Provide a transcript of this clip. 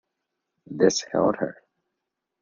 This held her.